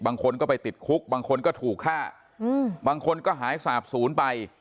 บางคนก็ไปติดคุกบางคนก็ถูกฆ่าบางคนก็หายสาบศูนย์ไป